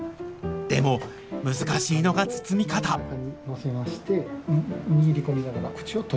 でも難しいのが包み方お。